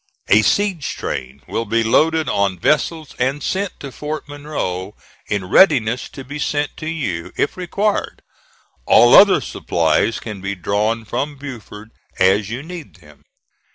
"A siege train will be loaded on vessels and sent to Fort Monroe, in readiness to be sent to you if required. All other supplies can be drawn from Beaufort as you need them.